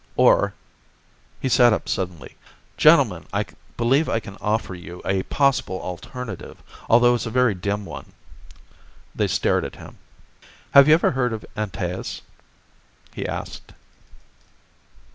Or He sat up suddenly. "Gentlemen, I believe I can offer you a possible alternative, although it's a very dim one." They stared at him. "Have you ever heard of Antaeus?" he asked.